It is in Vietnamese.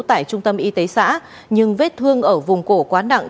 tại trung tâm y tế xã nhưng vết thương ở vùng cổ quá nặng